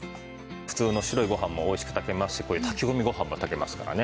普通の白いご飯もおいしく炊けますしこういう炊き込みご飯も炊けますからね。